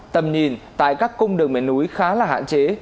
tầm nhìn tại các cung đường miền núi khá là hạn chế